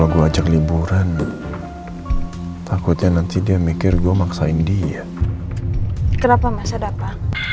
kalau gua ajak liburan takutnya nanti dia mikir gua maksain dia kenapa masa dapa